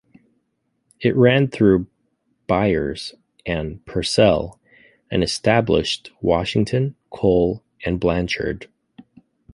It ran through Byars and Purcell, and established Washington, Cole, and Blanchard.